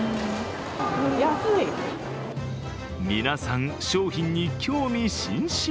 皆さん、商品に興味津々。